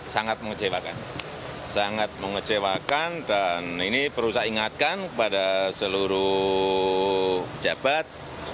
sangat mengecewakan sangat mengecewakan dan ini perlu saya ingatkan kepada seluruh pejabat